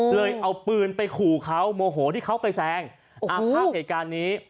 เลยเอาปืนไปขู่เขาโมโหที่เขาไปแซงภาพเหตุการณ์นี้